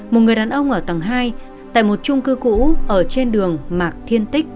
một người đàn ông ở tầng hai tại một chung cư cũ ở trên đường mạc thiên thánh